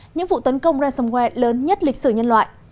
những vụ tấn công ransomware lớn nhất lịch sử nhân loại